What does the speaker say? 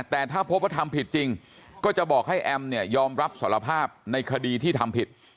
แต่ถ้าพบว่าทำผิดจริงก็จะบอกให้แอมเนี่ยยอมรับสารภาพในคดีที่ทำผิด